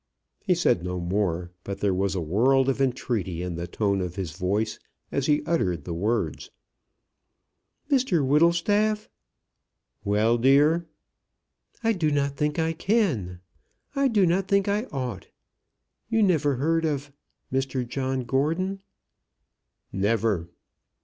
He said no more, but there was a world of entreaty in the tone of his voice as he uttered the words. "Mr Whittlestaff!" "Well, dear." "I do not think I can. I do not think I ought. You never heard of Mr John Gordon." "Never."